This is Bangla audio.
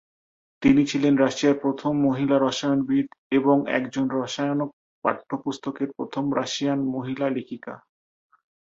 তিনি ছিলেন রাশিয়ার প্রথম মহিলা রসায়নবিদ, এবং একজন রসায়ন পাঠ্যপুস্তকের প্রথম রাশিয়ান মহিলা লেখিকা।